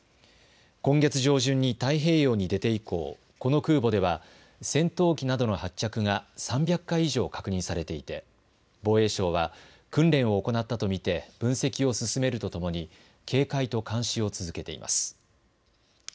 今月上旬に太平洋に出て以降、この空母では戦闘機などの発着が３００回以上確認されていて防衛省は訓練を行ったと見て分析を進めるとともに警戒と監視を続けています。